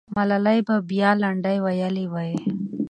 ملالۍ به بیا لنډۍ ویلې وې.